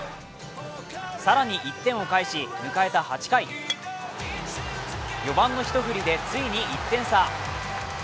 更に、１点を返し迎えた８回、４番の一振りで、ついに１点差。